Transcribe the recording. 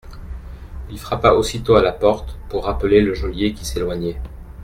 Il frappa aussitôt à la porte pour rappeler le geôlier qui s'éloignait.